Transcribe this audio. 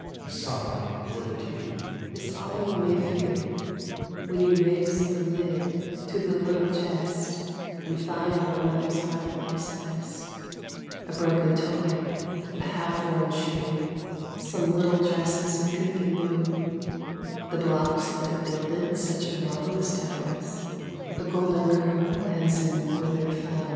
A sigh or a tear Is all you may fear. A sigh or a tear Is all you may fear When you raise the lid to the little chest And find what a mother's heart loves best, A broken toy, a half worn shoe, Some little dresses of pink and blue, The blocks that builded such marvelous towers, A golden curl, and some withered flowers.